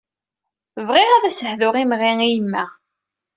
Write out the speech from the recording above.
Bɣiɣ ad as-hduɣ imɣi i yemma.